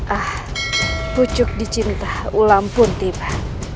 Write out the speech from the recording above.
ah pucuk di cinta ulang pun tiba